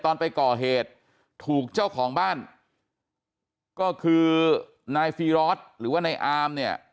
ตอนไปก่อเหตุถูกเจ้าของบ้านก็คือนายฟีรอสหรือว่านายอามเนี่ย